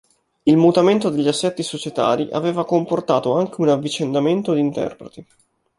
Il mutamento degli assetti societari aveva comportato anche un avvicendamento di interpreti.